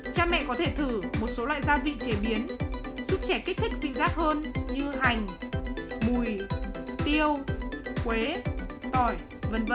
cha mẹ có thể thử một số loại gia vị chế biến giúp trẻ kích thích vị rác hơn như hành bùi tiêu quế tỏi v v